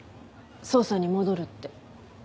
「捜査に戻る」って。